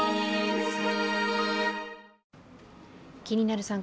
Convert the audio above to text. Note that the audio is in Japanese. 「気になる！